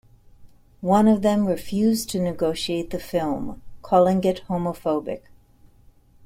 One of them refused to negotiate the film, calling it homophobic.